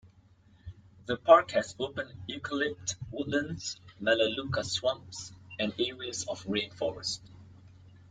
The park has open eucalypt woodlands, melaleuca swamps and areas of rainforest.